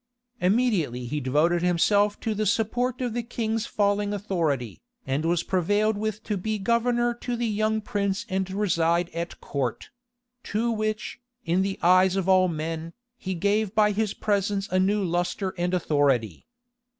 Immediately he devoted himself to the support of the king's falling authority, and was prevailed with to be governor to the young prince and reside at court; to which, in the eyes of all men, he gave by his presence a new lustre and authority.